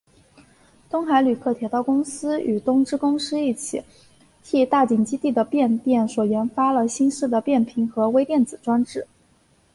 东海旅客铁道公司与东芝公司一起替大井基地的变电所研发了新式的变频和微电子装置。